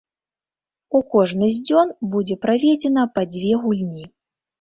У кожны з дзён будзе праведзена па дзве гульні.